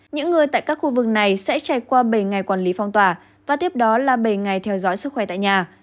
những người tại các khu vực này sẽ trải qua bảy ngày quản lý phong tỏa và tiếp đó là bảy ngày theo dõi sức khỏe tại nhà